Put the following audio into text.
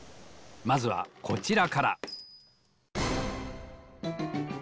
まずはこちらから。